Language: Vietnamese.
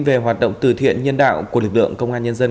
về hoạt động từ thiện nhân đạo của lực lượng công an nhân dân